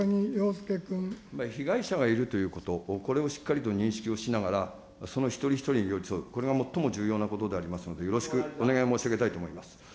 被害者がいるということ、これをしっかりと認識をしながら、その一人一人に寄り添う、これが最も重要なことでありますので、よろしくお願い申し上げたいと思います。